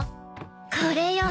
これよ。